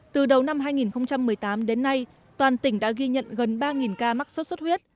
từ đầu năm hai nghìn một mươi tám đến nay toàn tỉnh đã ghi nhận gần ba ca mắc sốt xuất huyết